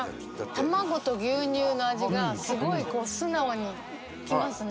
卵と牛乳の味がすごいこう素直にきますね。